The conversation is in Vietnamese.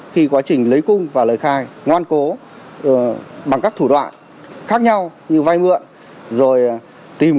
khi quá trình lấy cung và lời khai ngoan cố bằng các thủ đoạn khác nhau như vai mượn